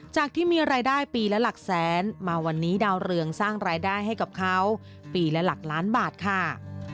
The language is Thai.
ที่มีรายได้ปีละหลักแสนมาวันนี้ดาวเรืองสร้างรายได้ให้กับเขาปีละหลักล้านบาทค่ะ